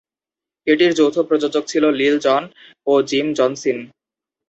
এটির যৌথ প্রযোজক ছিল "লিল জন" ও জিম জনসিন।